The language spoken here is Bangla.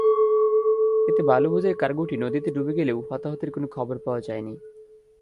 এতে বালুবোঝাই কার্গোটি নদীতে ডুবে গেলেও হতাহতের কোনো খবর পাওয়া যায়নি।